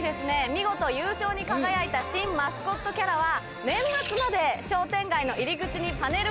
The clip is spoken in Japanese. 見事優勝に輝いた新マスコットキャラは。